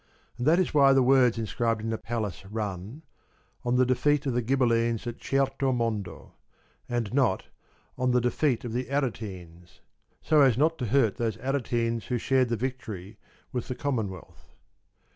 And that is why the words in scribed in the Palace run :* On the defeat of the Ghibellines at Certomondo,* and not * On the defeat of the Aretines/ so as not to hurt those Aretines who shared the victory with with the Commonwealth.